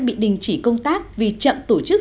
bị đình chỉ công tác vì chậm tổ chức